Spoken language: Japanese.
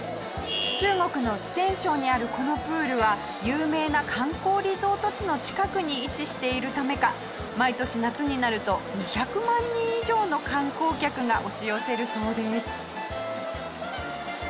中国の四川省にあるこのプールは有名な観光リゾート地の近くに位置しているためか毎年夏になると２００万人以上の観光客が押し寄せるそうです。